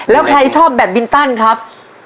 แล้วใครชอบแบตบินตันครับ